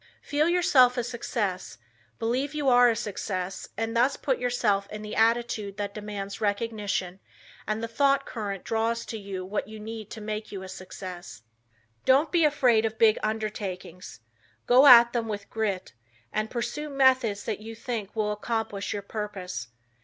Feel yourself a success, believe you are a success and thus put yourself in the attitude that demands recognition and the thought current draws to you what you need to make you a success. Don't be afraid of big undertakings. Go at them with grit, and pursue methods that you think will accomplish your purpose.